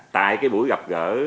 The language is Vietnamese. tại cái buổi gặp gỡ